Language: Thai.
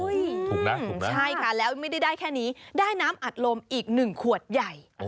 ถูกนะถูกไหมใช่ค่ะแล้วไม่ได้ได้แค่นี้ได้น้ำอัดลมอีก๑ขวดใหญ่